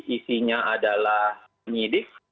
isinya adalah penyidik